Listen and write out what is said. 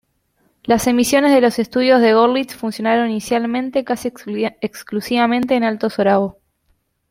Las emisiones de los estudios de Görlitz funcionaron inicialmente casi exclusivamente en alto sorabo.